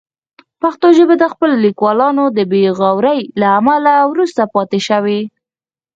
پښتو ژبه د خپلو لیکوالانو د بې غورۍ له امله وروسته پاتې شوې.